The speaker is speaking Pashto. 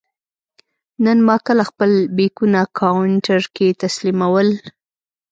نن ما کله خپل بېکونه کاونټر کې تسلیمول.